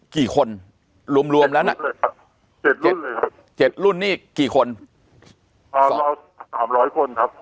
กี่คนรวมรวมแล้วน่ะเลยครับเจ็ดรุ่นเลยครับเจ็ดรุ่นนี่กี่คนอ่าเราสามร้อยคนครับ